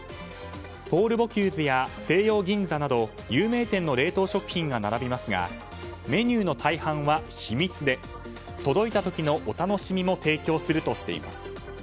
ポール・ボキューズや西洋銀座など有名店の冷凍食品が並びますがメニューの大半は秘密で届いた時のお楽しみも提供するとしています。